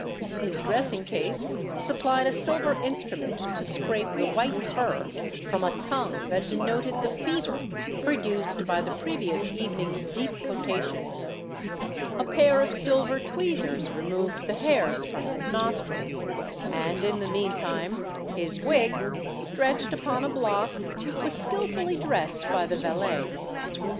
His dressing case supplied a silver instrument to scrape the white fur from a tongue that denoted the fever produced by the previous evening's deep potations; a pair of silver tweezers removed the hairs from his nostrils; and, in the meantime, his wig, stretched upon a block, was skilfully dressed by the valet.